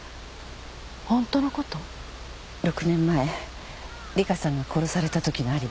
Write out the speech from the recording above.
６年前里香さんが殺されたときのアリバイ